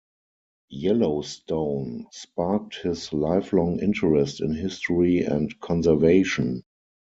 Yellowstone sparked his lifelong interest in history and conservation.